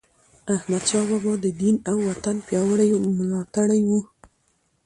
احمدشاه بابا د دین او وطن پیاوړی ملاتړی و.